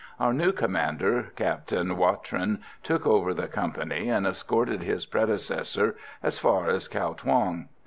Our new commander, Captain Watrin, took over the company and escorted his predecessor as far as Cao Thuong.